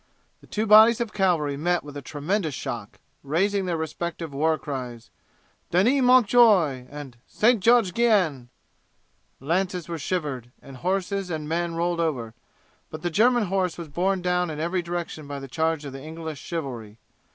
The two bodies of cavalry met with a tremendous shock, raising their respective war cries, "Denis Mount Joye!" and "St. George Guyenne!" Lances were shivered, and horses and men rolled over, but the German horse was borne down in every direction by the charge of the English chivalry.